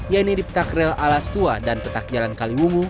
yaitu di petak rel alastua dan petak jalan kaliwungu